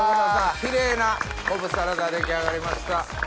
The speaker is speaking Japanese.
キレイなコブサラダ出来上がりました。